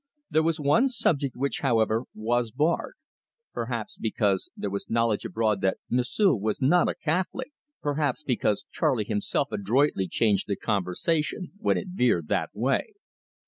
There was one subject which, however, was barred; perhaps because there was knowledge abroad that M'sieu' was not a Catholic, perhaps because Charley himself adroitly changed the conversation when it veered that way.